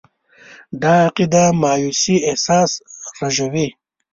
دا عقیده د مایوسي احساس رژوي.